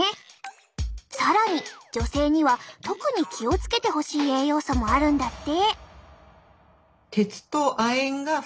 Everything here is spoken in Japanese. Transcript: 更に女性には特に気を付けてほしい栄養素もあるんだって。